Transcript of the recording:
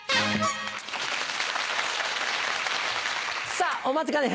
さぁお待ちかね。